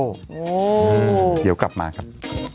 โอ้อืมเดี๋ยวกลับมาครับ